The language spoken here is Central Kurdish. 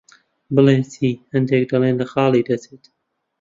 بڵێم چی، هەندێک دەڵێن لە خاڵی دەچێت.